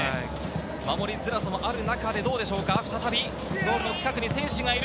守りづらさもある中でどうでしょうか、再びゴールの近くに選手がいる。